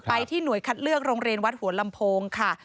ที่หน่วยคัดเลือกโรงเรียนวัดหัวลำโพงค่ะ